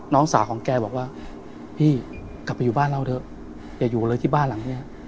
น้องสาวของแกบอกว่าพี่กลับไปอยู่บ้านเราเถอะอย่าอยู่เลยที่บ้านหลังนี้